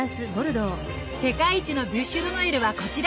世界一のビュッシュ・ド・ノエルはこちら！